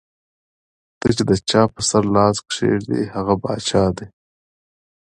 ته چې د چا پۀ سر لاس کېږدې ـ هغه باچا دے ـ